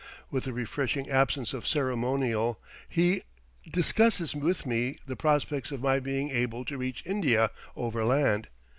With a refreshing absence of ceremonial, he discusses with me the prospects of my being able to reach India overland.